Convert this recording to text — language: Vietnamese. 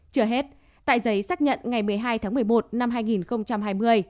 trở hết tại giấy xác nhận ngày một mươi hai tháng một mươi một năm hai nghìn hai mươi